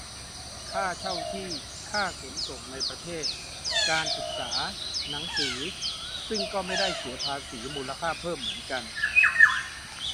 ค่าเช่าที่ ค่าขนส่งในประเทศ การศึกษา หนังสือ ซึ่งก็ไม่ได้เสียภาษีมูลค่าเพิ่มเหมือนกัน